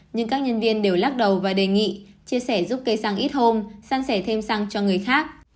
nhưng các nhân viên đều lắc đầu và đề nghị chia sẻ giúp cây xăng ít hôm săn sẻ thêm xăng cho người khác